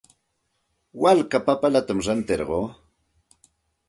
Walka papallatam rantirquu.